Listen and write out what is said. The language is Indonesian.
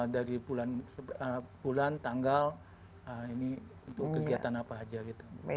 dari bulan tanggal ini untuk kegiatan apa aja gitu